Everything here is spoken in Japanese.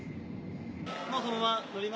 もうそのまま乗りますか？